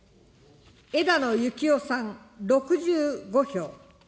枝野幸男さん６５票。